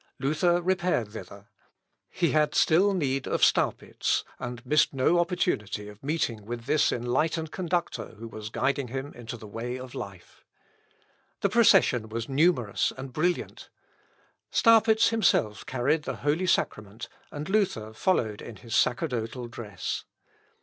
Luther repaired thither. He had still need of Staupitz, and missed no opportunity of meeting with this enlightened conductor who was guiding him into the way of life. The procession was numerous and brilliant. Staupitz himself carried the holy sacrament, and Luther followed in his sacerdotal dress.